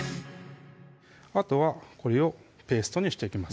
あとはこれをペーストにしていきます